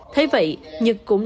thế vậy nhật cũng đã đánh giá